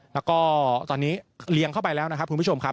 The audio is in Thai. แล้วก็ตอนนี้เลี้ยงเข้าไปแล้วนะครับคุณผู้ชมครับ